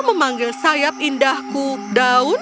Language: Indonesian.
memanggil sayap indahku daun